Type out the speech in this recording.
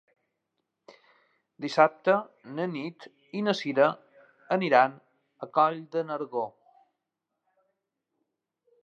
Dissabte na Nit i na Cira aniran a Coll de Nargó.